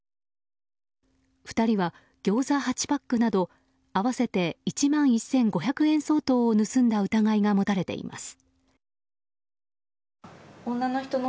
２人はギョーザ８パックなど合わせて１万１５００円相当を盗んだ疑いが持たれています。